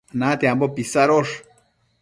natiambo pisadosh